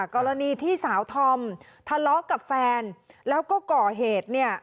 กรณีที่สาวธอมทะเลาะกับแฟนแล้วก็ก่อเหตุเนี่ย